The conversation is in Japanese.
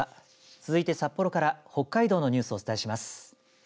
続いて札幌から北海道のニュースをお伝えします。